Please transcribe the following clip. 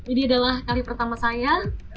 ini adalah kali pertama saya